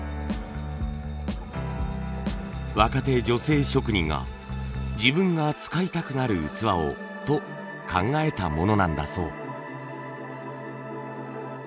若手女性職人が「自分が使いたくなる器を」と考えたものなんだそう。